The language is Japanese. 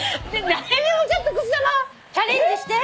来年もちょっとくす玉？チャレンジして。